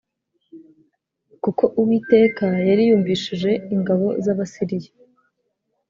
kuko Uwiteka yari yumvishije ingabo z Abasiriya